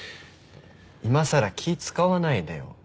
いまさら気使わないでよ。